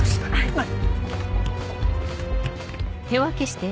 はい！